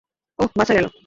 ওহ, বাঁচা গেল!